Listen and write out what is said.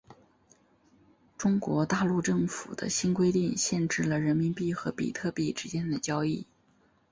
中国大陆政府的新规定限制了人民币和比特币之间的交易。